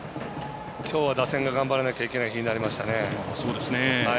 きょう打線が頑張らないといけない日になりましたね。